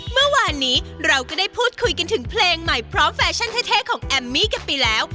เมื่อวานนี้เราก็ได้พูดคุยกันถึงเพลงใหม่พร้อมแฟชั่นเท่ของแอมมี่กันไปแล้ว